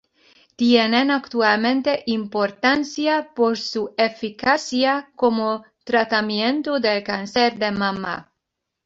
Tienen actualmente importancia por su eficacia como tratamiento del cáncer de mama.